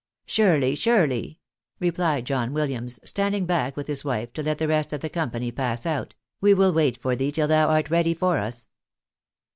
"Surely, surely," replied John Williams, standing back with Ms wife to let the rest of the company pass out, " we will wait for thee till thou art ready for us."